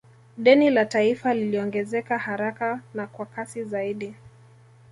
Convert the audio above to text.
Deni la taifa liliongezeka haraka na kwa kasi zaidi